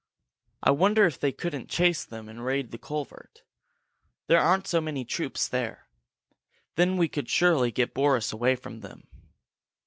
"I wonder if they couldn't chase them and raid the culvert. There aren't so many troops there! Then we could surely get Boris away from them."